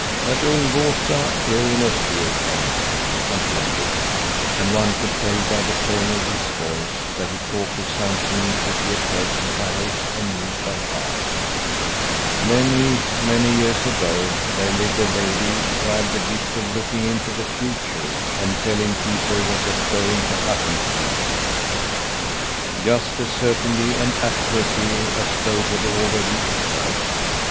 "At Ulvåsa, here in Östergötland," he continued (and one could tell by the tone of his voice that he talked of something which he had heard from others, and knew by heart), "many, many years ago, there lived a lady who had the gift of looking into the future, and telling people what was going to happen to them just as certainly and accurately as though it had already occurred.